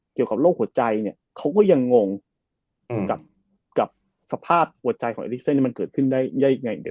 เกี่ยวกับโรคหัวใจเนี่ยเขาก็ยังงงกับสภาพหัวใจของเอลิเซนมันเกิดขึ้นได้ยังไง